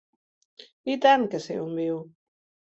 I tant que sé on viu.